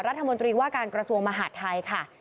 รัฐมนตรีว่าการกระทรวงมหาดไทยค่ะ